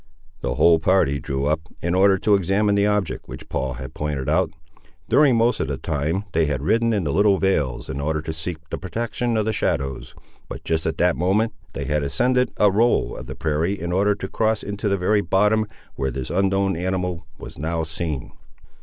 The whole party drew up, in order to examine the object, which Paul had pointed out. During most of the time, they had ridden in the little vales in order to seek the protection of the shadows, but just at that moment, they had ascended a roll of the prairie in order to cross into the very bottom where this unknown animal was now seen.